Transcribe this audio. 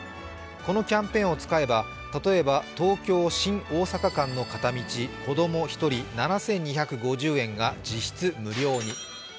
このキャンペーンを使えば、例えば東京−新大阪間の片道、子供１人７５５０円が実質無料に。